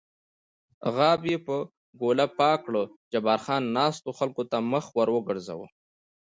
غاب یې په ګوله پاک کړ، جبار خان ناستو خلکو ته مخ ور وګرځاوه.